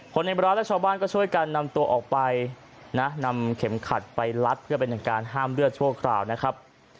ในร้านและชาวบ้านก็ช่วยกันนำตัวออกไปนะนำเข็มขัดไปลัดเพื่อเป็นการห้ามเลือดชั่วคราวนะครับ